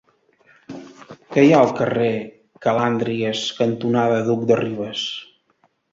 Què hi ha al carrer Calàndries cantonada Duc de Rivas?